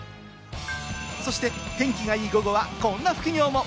そして天気がいい午後はこんな副業も。